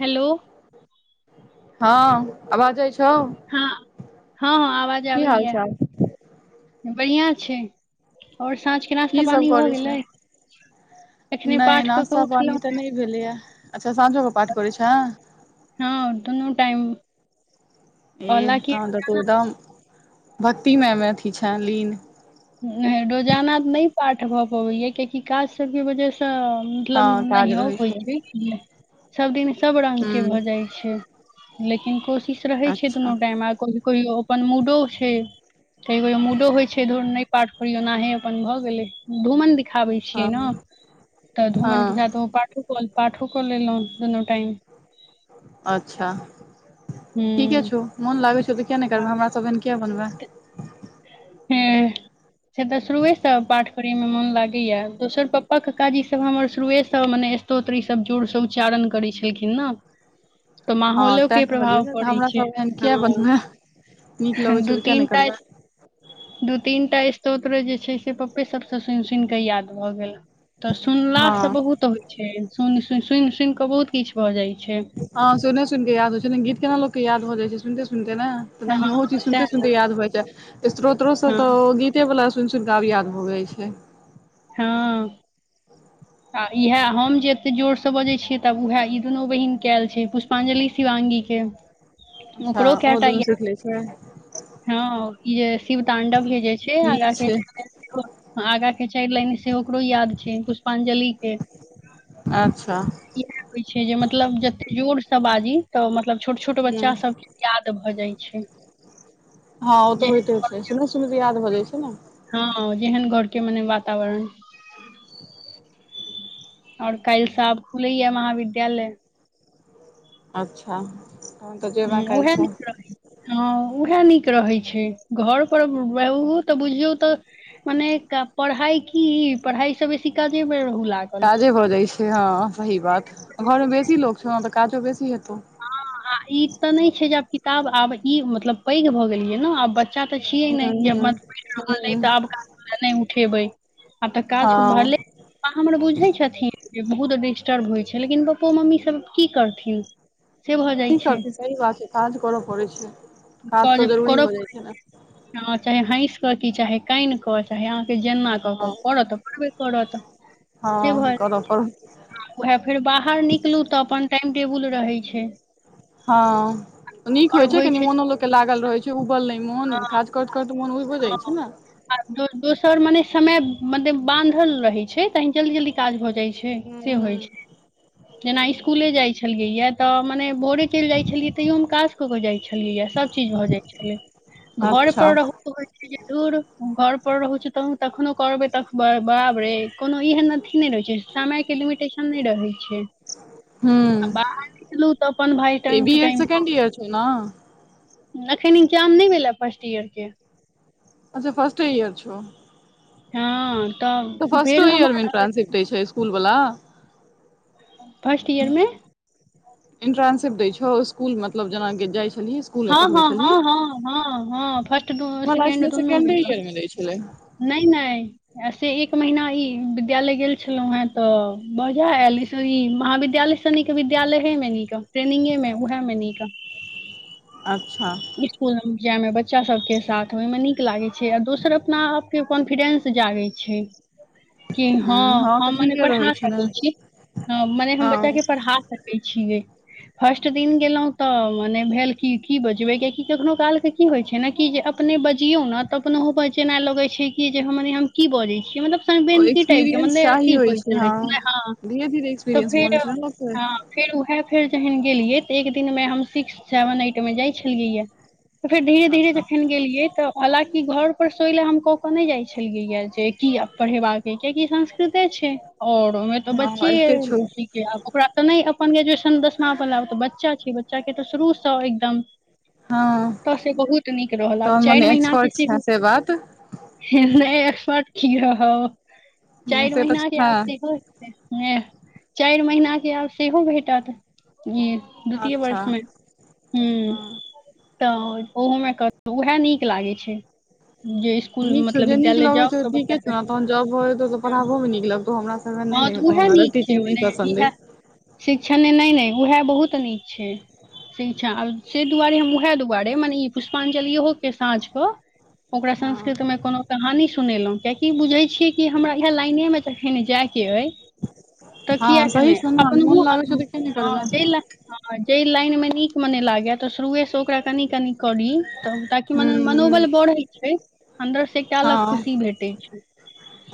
Hello हँ आवाज जाइ छैउ हँ हँ हँ आवाज की आबय हाल याअ चाल बढ़िआँ छै आओर साँझके नाश्ता की सब पानी भऽ करै छै गेलै एखने नहि पाठ कऽ कऽ नास्ता पानी उठलहुँ तऽ ह नहि भेलैए अच्छा सझके पठ कर छ हँ दुनू टाइम एह हालाँकि तह तऽ तू एकदम भक्तममेी छ लीन नहि रोजाना तऽ नहि पाठ भऽ पबैय कियकि काज सबके वजहसँ तऽ हँ मतलब काज नहियो रहै होइ छौ छै सब दिन सब रंग हूँ के भऽ जाइ छै लेकिन को किश रहै छै अच्छा दुनू टाइम आ क कहियो ओ मूडो छै गोो मूडो होइ छै नहि पाठ करियौ नहे अपन भऽ गेलै धूमन द आबै हँ छियै ने तऽ हँ धूमन के साथ पाठो पाठो कऽ लेलहुँ दुनू टाइम अच्छा ठीके हूँ छौ मोन लागे छौ तऽ किया नहि करब हमरा सब किया बनबे ह हुँ से तऽ शुरुएसँ पाठ करैमे मोन लागैया दोसर पपापा क काजी सब हमर शुरुएसँ मने स्तोत्र ई सब जोरसँ उच्चारण करै छलखिन ने तऽ हँ माहौलो तैं के कहलियौ प्रभाव ने पड़ैत हमरा छै सब एहन किया हँ बनबै नीक लगै छौ दू तऽ किया नहि करबै तीनटााज दू तीनटा स्तोत्र जे छै से पप्पे सबसँ सुनि सुनि कऽ याद भऽ गेल तऽ सुनलासँ हँ बहुत होइ छै सुनिनि सुनि सुनि कऽ बहुत किछु भऽ जाइ छै ह सुने सुने याद होइ छै ने गीत केना लोको के याद हो जाइ छै सुने सुन तना हँ ओहो चीज सुनते सएह ने सुनते याद होय छै स्रोतो त हँ गीते वाला सुनि सुन कऽ आब याद भऽ जाइ छै हँ आ इएह हम जे एतेक जोरसँ बजैत छियै तब उएह ई दुनू बहिन कयल छै पुष्पांजलि शिवांगी ी के अच्छा ओकरो ओ कएटा दुनू याद सिख ले छै हँ जे शिव तांडव हे जे छै आग नीक छै आगा के चढ़ लकरो याद छै पुष्पांजलि के अच्छा इ होइ छै जे मतलब जते जोर सब बाजी तऽ मतलब छोट छोट ह बच्चा सब याद भऽ जाइ छै हँं जे तऽ होयइते हो छै सुन सुनै याद भ जाइ छै ने हँ जेहन घरके मने वातावरण आओर काल्हिसँ आब खुलैय महाविद्यालय अच्छा हमन तऽ जयबै ह उएह काल्हिसँ नीक रहै हँ उएह नीक रहै छै घर पर रह तऽ बुझियौ तऽ मने पढ़इ की पढ़ा सबब शीखा जेर काजे भऽ जाइत छै हँ सही बात घरमे बेसी लोक छौ ने तऽ काजो बेसी हेतौ आ ई तऽ नहि छै जे आब किताब आब ई मतलब पैघ भऽ गेलियै ने आब बच्चा तऽ छियै हूँ ने हूँ ज मत बठ रहल हूँ अइ तऽ आब काज ले नहि उठेबे आब तऽ काज ख हँ भरले पा हमर बुझै छथिन बहुत डिस्टर्ब होइ छै लेकिन पप्पो मम्मी सब की करथिन से भऽ नहि जाइ की छै करत सही बात छै काज करऽ पड़ै छै काज तऽ जे जरूरी कर हो जाइ छै ने चाहे हैस कऽ की चाहे कान कऽ चाहे जेना कऽ हँ कऽ करत करबे करत से हँ भऽ करऽ जा छै पड़ उएह फेर बाहर निकलू तऽ अपन टाइम टेबुल रहैत छै हँ नीक आओर होइत छै होइ कनि मोनो लोकके लागल रहैत छै ओ उबल ने मौन काज कर कर तऽ मन उज हो जाइ छै ने सर मने समय मने बानधल रहे छै तहन जल्दी जल्दी काज भ जाय छै छै हूँ से होइ हूँ छै जेना स्कूले जाइ छलियै या तऽ मने भोरे चलि जाइ छलियै तैयोमे काज कऽ केऽ जाइ छलियया सभ चीज भऽ जाइ छलै घर अच्छा पर रहहु त जरूर घर पर रहहु छ त तखनो करबे तख बराबरे कोनो एहन अथिी नहि रहे छै समय के लिमिटेशन नहि रहे छै [inaudible] हूँ आ बाहर निकलू तऽ अपन भाय ई टाइम बी टू एड टाइम सेकेंड ईयर छौ ने कहऽ एखन इन्गजाम नहि मिलय फर्स्ट ईयरके अच्छा फर्स्टे ईयर छौ हँ तऽ फर्स्टो भेल इयर मे हमर ट्रांस्ट छै इकुल वालला फर्स्ट ईयरमे इंट्रनशिप दै छौ स्कूल मतलब जेनााक जाइ छौ हँ हँ हँ हँ हँ हँ फर्स्ट दोनो में हमरा लागै सेकेड छलै दोनो में सेकेंडे ईयर मे दै छलै नहि नहि से एक महीना ई विद्यालय गेल छलौं हें तऽ बझा एयल इस ई महाविद्यालय सनि विद्यालये मे न ट्रेनिंगे में उएह मे नीक अच्छा जाइमे बच्चा सभके साथ ओहिमे नीक लागै छै आ दोसर अपना आपके कॉन्फिडेंस जागैत छै कि हँ हूँ तऽ हम मने ठीके रहै पढ़ा छै ने सकैत छी ह मने हम हँ बच्चा के पढ़ा सकै छियै फर्स्ट दिन गेलहुँं तऽ मने भेल की की ब कखनो काल के की होइ छा ने जे अपने बजियो ने त अपनोहो बात जेना लगे छै कि मने हम की बजै छियै मलब ओ की टाइप के एक्सपीरियंस मने चाही अथी होइ होइत रह हँ छै ह धीरे धीरे तऽ एक्सपीरियंस फेर बनै छै ने लोकके हँ फेर उएह फेर जहन गेलियै तऽ एक दिनमे हम सिक्स सेवन एट मे जाइत छलियै य त फेर धीरे धीरे अच्छा जखन गेलियै तऽ हलाकि घर पर सोइ लए हम कऽ केऽ नहि जाइ छलियै या जे की पढ़ेबाक कियकि संस्कृते छै और ओमे तो हँ बच्चे अबिते छौ ओकरा ते ने अपन ग्रेजुएशन दसमा वालला त बच्चा छै बच्चा के तऽ शुरू सँ एकदम हँ तऽ से बहुत नीक रहल आब तहन चारि मने महीनाके एक्सपर्ट छै सेहो से बात नहि एस्पॉट की रहव चारि से महिना तऽ र छै आब हो ह चारि महिना आब सेहो भेटत ई द्वितय अच्छा वर्षमे ह हँ तऽ ओहोमे कहहु उएह नीक लागैत छै जे स्कूल नीक छौ मतलब जे नीक विद्यालय लगे जाउ छौ तऽ बच्चा ठीके के छौ ने तहन जॉब भ जेतौ तऽ पढ़ाबो मे नीक लगतौ हमरा सब हँ तऽ उएह नीक छै मने इएह शिक्षण नहि ने उएह बहुत नीक छै शिक्षा आब से दुआरे हम उएह दुआरे मने ई पुष्पांजलिहो के साँझ क ओकरा हँ संस्कृतमे कोनो कहानी सुनेलहुँ कियकि बुझैत छियै कि हमरा इएह लाइनेमे च जाय के अए त किया हँ के सही न्या छौ ने अपनो मोन हो लागै छौ तऽ किया नहि है करबै जइला है जइला जा लाइनमे नीकमे नहि लागैए तऽ शुरुएसँ ओकरा कनि कनि करी तब ताकि हूँ हूँ मनोबल बढ़ैत छै अन्दर से क लऽ हँ खुशी भेटैत छै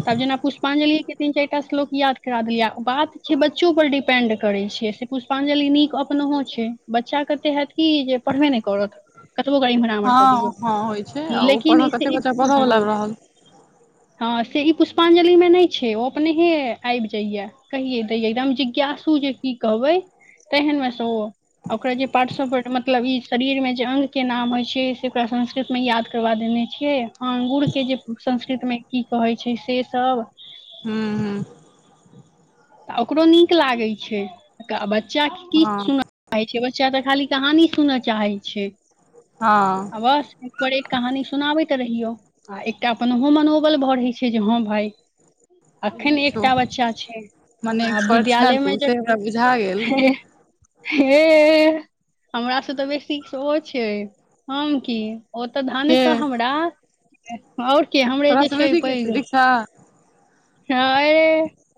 तब जेना पुष्पांजलि तीन चारि टा श्लोक याद करा देलियै बात छै बच्चो पर डिपेंड करैत छै से पुष्पांजलि नीक अपन छै बच्चाेते होयत की जे पढ़बे नहि करत कतबो ग इम्हर आमहर कऽ हँ दियौ हँ होइ छै आ ओ लेकिन पढ़ऽ कते इ बच्चा पढ़ऽ वला हँ रहल हँ से ई पुष्पांजलि में न छै ओ अपनेहे आबि जाया कहिये द या एकदम जिज्ञासु जे की कहु ओई एहन में तो ओकरा जे पाआर्ट सआप बॉडी मतलब ई शरीरमे जे अङ्गके नाम होइ छै से ओकरा संस्कृतमे याद करबा देने छियै अंगूर के जे संस्कृत मे की कहै छै से सब ह्म हँ त ओकरो नीक लागैत छै बच्चा की हँ सुना छै बच्चा तऽ खाली कहानी सुनऽ चाहैत छी आ हँ बस एक बार एक कहानी सुनाबै रहियौ आ एकटा अपन ओहो मनोबल बइयऽ रहै छै जे हँ भाय अखेन नीक छौ एकटा बच्चा छै मने आ एक्सपर्ट छे विद्यालयमे तू जे से हमरा बुझा गेल है हे हमरा से तऽ बेसी सेहो छै हम की ओ तऽ धन के क हमरा ओर के हमरे तोरा जे से छै बेसी के पैघ छौ हँ दीक्षा अरे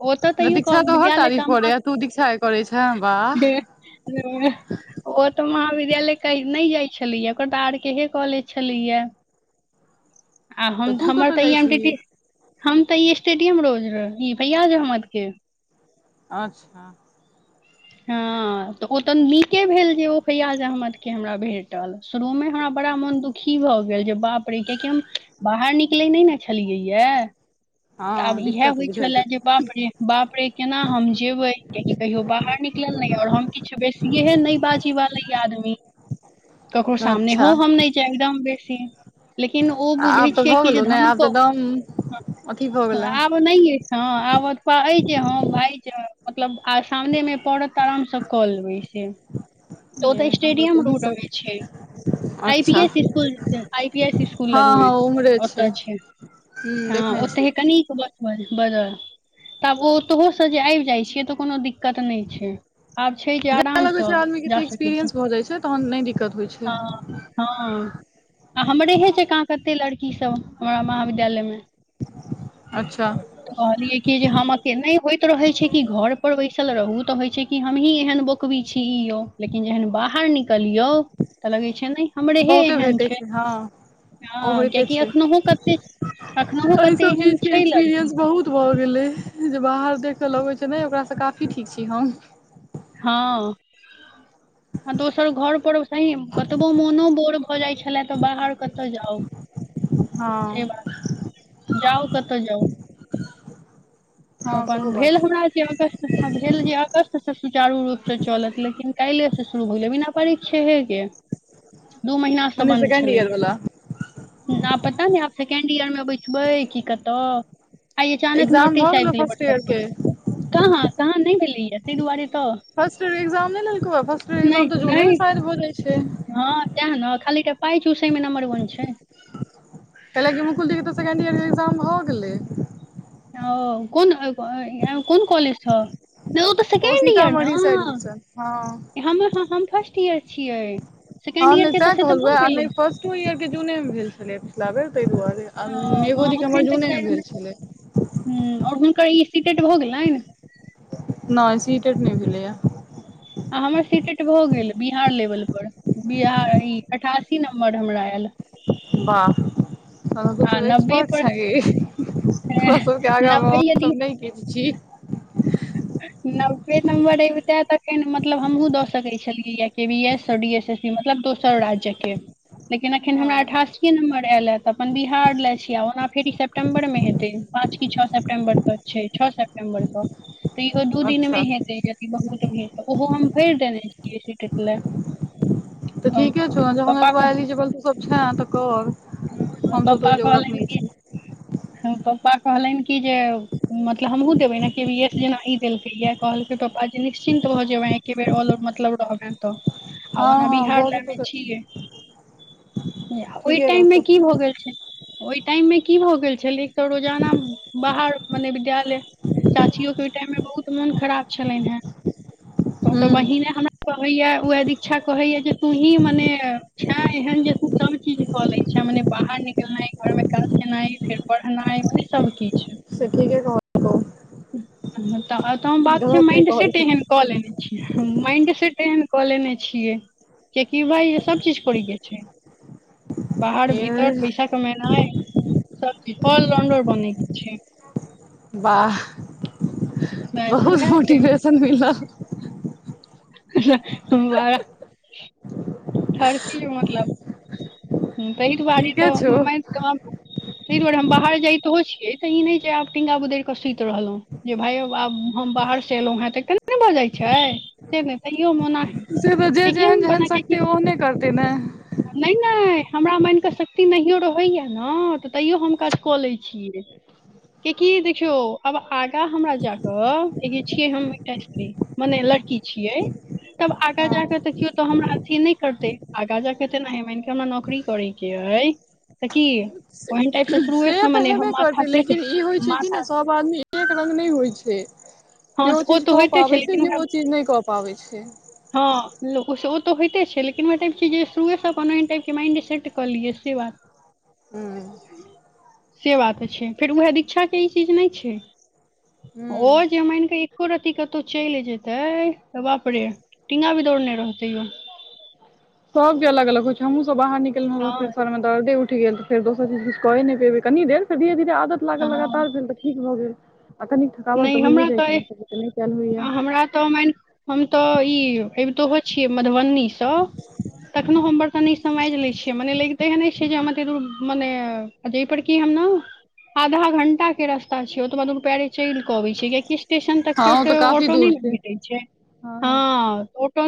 ओ तऽ तैयो कह दीक्षा तो हर विद्यालय तारीफ क करे म या तू दीक्षा के करे छे वाह ओ तऽ मा [unintelligible] माविद्यालय काई नहि जाइ छलैया ओकर बाहर आर के हे कॉलेज छलैया आ हम तऽ तू हमर कतऽ तऽ ई जाइ एम छीही डीटी हम तऽ ई स्टेडियम रोज रही फैयाज अहमद के अच्छा [inaudible] हँ तऽ ओ तऽ नीके भेल जे ओ फैयाज अहमद के हमरा भेटल शुरू मे हमरा बड़ा मन दुखी भऽ गेल जे बाप रे कियाकि हम बाहर निकले नहि ने छलियै यए ह आब इएहे होय छले जे बाप रे बाप रे केना हम जेबे क्या कहियो बाहर निकलल नै य हम किछु बेसिये है न बाजी वाला आदमी ककरो सामने अच्छा हो हम नहि एकदम बेसी लेकिन ओ आब बुझैत तऽ छियै भऽ कि जे गेलौ ने आब तऽ धनो दम अथी भऽ गेले आब नहि अछि हँ आब कहै जे हँ भाय मतलब आ सामने मे पड़त आरामसँ कऽ लेबै से त तऽ ये तहन स्टेडियम तूही रोड मे सब छै आइ पी अच्छा S school I P S school लग हँ मे हँ उम्हरे ओत छै हूँ ह देखने छियै ओते कनि क बस बस बदल तऽ आब ओ तोहुसँ जे आबि जाइ छियै तऽ कोनो दिक्कत नहि छै आब छै जे जाय लगै आरामसँ छै आदमी के जा तऽ सकै छी एक्सपीरियंस भऽ जाइ छै तहन नहि दिक्कत होइ छै हँ हँ आ हमरे हे जेका कते लड़कीसभ हमरा महाविद्यालय मे अच्छा त कहलियै कि जे हम अ केना होइत रहे छै कि घर पर बइसल चल रहू तऽ होइ छै कि हमही एहन बोकबी छी ई यौ लेकिन जेहन बाहर निकलियौ त लगे छै ने हमरेहे बहुते एहन भेटै छै हँ ओ ह होइते कियकि छै एखनो कते एखनहु एहि कते सब एहन चीज के छै लड़की एक्सपीरियंस सब। बहुत भऽ गेलै देखै ल अगै छै नहि ओकरासँ काफी ठीक छी हम हँ आ दोसर घरपर सही कतबो मोनो बोर भऽ जाइत छलए तऽ बाहर क कतऽ जाउ हँ से बात जाउ कतऽ जाउ [inaudible] तऽ अपन सेहो भेल बात छै हमरा जे अगस्त भेल जे अगस्तसँ सुचारू रूपसँ चलत लेकिन काल्हिएसँ शुरू भेलै बिना परिक्षेहे के दू महिना से मने बन्द सेकेंड ईयर छलैया वाला आ पता नहि आ सेकेंड इयर मे बैसबे की कत आइ अचानक एग्जाम भऽ नोटिस गेलौ फर्स्ट वाट्सप ईयर पर के कहाँ कहाँ नहि भेलैय तहि दुआरे तऽ फर्स्टयर एग्जाम नहि लेलको फर्स्टयर नहि ए्जाम तऽ जूने नहि मे शायद भ जै छै हँ तैं ने खाली पाय चूसमे नम्बर वन छै कैलाकि मुकुले तऽ सेकें्ड ईयर के ए्जाम हो गेलै ओ कोन कोन कॉलज छ नहि ओ तऽ सेकें्ड इयर सीतामढ़ी साइड न दिसन हँ हम हम फर्स्ट ईयर छियै हँ सेकेंड ईयर नहि के तैं तऽ से तऽ भऽ कहलै आ नहि गेलै फर्स्टो इयर के जूने मे भेल छलै पिछला बेर तहि दुआरे आ मेघो हँ दी के एखन हमर तक जूने मे शायद भेल छलै नहि आओर हुनकर ई सीटेट भऽ गेलेन न सीटट नैय भैले य आ हमर सीटेट भऽ गेल बिहार लेवल पर बिहार ई अठासी नम्बर हमरा आयल [inaudible] वाह तहन तु आ नब्बे एक्सपोट पर छै गै हमोरा सबके आगाँ मे नब्बे यदि असभ नहि किछु छी [inaudible] नब्बे नम्बर अबिते तखन मतलब हमहूँ दऽ सकैत छलियैा के बी एस स डी एस एस बी मतलब दोसर राज्य के लेकिन अखन हमरा हँ अठासी नं्बर एयल तऽ अपन बिहार लए छी आ ओना फेर ई सेप्टम्बरमे हेतै पाँची छओ सेप्टम्बर तक छै छओ सेट [unintelligible] तऽ इहो दू दिन मे अच्छा हेतै य बहुत ऽ ओहो हम भरि देने छियै सीटट लए तऽ ठीके छौ ने पप्पा ज ए कह एलिजेबल तऽ सब छ तऽ कर हम सब पप्पा तहि जोगरक कहलनि ने कि छी पप्पा कहलनि कि जे मतलब हमहुँ देबै ने के वी एस जेना ई देलकै यया कहलकै पापा जेी निश्चिन्त भऽ जेयबै एके बेर ऑलर मतलब रहबनि तऽ आ हँ ने हँ बिहार भऽ जेतौ लमे तऽ छियै ओहि ठीके टाइम मे रहतौ की भऽ गेल छै ओहि टाइम मे की भऽ गेल छल एक तऽ रोजाना बाहर मने विद्यालय चाचियो हु हूँ ख कहैया ओ दच्षा कहैया जे तू ही मने छ एहन जे तू सब चीज कऽ ले छ अच्छा मने बाहर निकलनाइ घर में काज केनाइ फेर पढ़नाइ ओहि सब किछु से ठीके कह तऽ तऽ हम बात छियै गलत नहि माइन्ड सेट एहन कहलकौ कऽ लेने माइंड सेट एहन कऽ लेने छियै केकि भाय सब चीज करी के छै बाहर भीतर ए पैसा कमेनाइ सब चीज अलराउंडर बनेके छै वाह वैह तऽ बहुत उएह छै मोटिवेशन मिलल वाह ठरकी मतलब ह त ई दुआरे तऽ ठीके छौ मम्मा ज ताहि दुआरे हम बाहर जाइतो छियै तऽ ई नहि छै आब टींगा गुदरिकऽ सुति रहलहुँ जे भाय आब हम बाहर हर से एेलहु हे तऽ केना भजे छै से ने तैयो मना से तऽ जे ह क जेहन जेहन बना शक्ति नहि ओहने करतै ने हँ नहि हमरा मानि कऽ शक्ति नहिो रहैया ने तऽ तैयो हम काज कऽ लैत छियै ककि देखियौ आब आगा हमरा जाकऽ छियै हम एकटा स्त्री मनेल लड़की छियै तब आगा जााक त केियो तऽ हमरा अथी नहि करते आगा जााक ते नहि ह मान क हमरा नक नौकरी करे के हय त की ओहन टाइप से शुरुए हेबे करतै लेकिन ई होइ छै कि नहि सभ आदमी एक रङ्ग नहि होइत छै हँ केयो ओ चीज तऽ कऽ होइते पाबै छै लेकिन केयो ओकरा ओ चीज नहि कऽ पाबै छै ओ तऽ होइते छै लेकिन ओहि टाइप के जे शुरुए सँ माइन्ड सेट कऽ लियै से बात हू से बात छै फेर उएह दीक्षा के ई चीज नहि छै हूँ ओ जे मन के एको रति कतौ चलि जेते तऽ बाप रे टिंगा बीदौड़ने रहतै ओ [unintelligible] सबके अलग अलग होइ छै हमहुँ सब बाहर निकलौं फेर हँ सर मे दर्दे उठि गेल तऽ फर दोसर चीज किछु कऽ नहि पेबै कनी देरसँ धीरे धीरे आदत लागल हँ लगातार भेल तऽ ठीक भऽ गेल थकाबट तऽ भऽ ए जाइ छै कयल आ होइया हमरा तऽ मान हम तऽ ई अबितो छियै मधुबनीसँ तऽ तखनो हमर कनि समझि लै छियै मने लागिते नहि छै जे हम एते दूर मने जहि पर जे कि हम ने आधा घंटा के रस्ता छै ओतबा दूर पैरे चलि के अबै छियै कियकि स्टेशन तक हँ के ओ तऽ ओतय काफी ऑटो नहि दूर ने भेटे छै हँ ऑटो